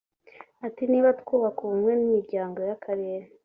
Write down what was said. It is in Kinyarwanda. Ati “…Niba twubaka ubumwe n’imiryango y’akarere